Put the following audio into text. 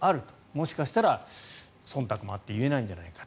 もしかしたら、そんたくもあって言えないんじゃないか。